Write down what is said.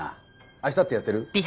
明日ってやってる？